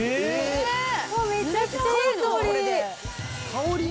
もうめちゃくちゃいい香り。